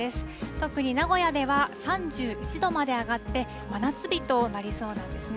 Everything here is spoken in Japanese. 特に名古屋では３１度まで上がって、真夏日となりそうなんですね。